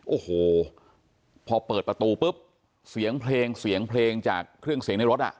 โอ้โหพอเปิดประตูปุ๊บเสียงเพลงเสียงเพลงจากเครื่องเสียงในรถอ่ะ